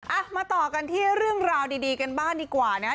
อ่ะมาต่อกันที่เรื่องราวดีกันบ้างดีกว่านะ